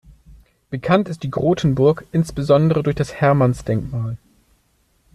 Bekannt ist die Grotenburg insbesondere durch das Hermannsdenkmal.